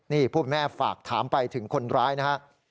นี่ผู้เป็นแม่ฝากถามไปถึงคนร้ายนะฮะ